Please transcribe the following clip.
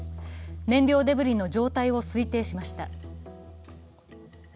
燃料デブリの状態を推定しました。